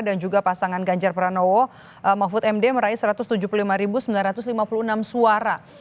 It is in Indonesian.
dan juga pasangan ganjar pranowo mahfud md meraih rp satu ratus tujuh puluh lima sembilan ratus lima puluh enam suara